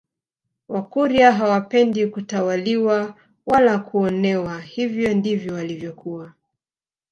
Wakurya hawapendi kutawaliwa wala kuonewa hivyo ndivyo walivyokuwa